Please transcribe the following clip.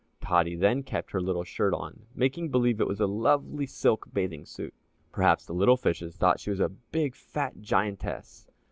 Tottie then kept her little shirt on, making believe it was a lovely silk bathing suit. Perhaps the little fishes thought she was a big fat giantess.